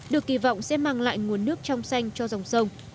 được kỳ vọng sẽ mang lại nguồn nước trong xanh cho dòng sông